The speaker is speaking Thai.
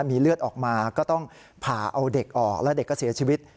มีเลือดออกมาก็ต้องผ่าเอาเด็กออกแล้วเด็กก็เสียชีวิต